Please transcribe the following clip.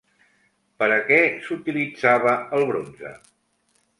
Per a què s'utilitzava el bronze?